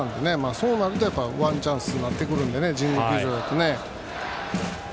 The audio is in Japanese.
そうなるとワンチャンスになってくるので神宮球場だと。